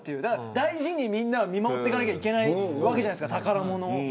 大事にみんなは見守っていかないといけないわけじゃないですか。